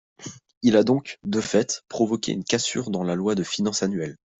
Il a donc, de fait, provoqué une cassure dans la loi de finance annuelle.